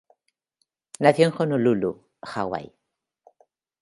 Nació en Honolulu, Hawái.